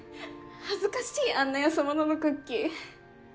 恥ずかしいあんな安物のクッキー。